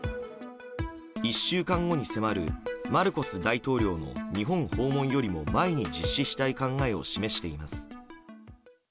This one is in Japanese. １週間後に迫るマルコス大統領の日本訪問より前に実施したい考えを示しています。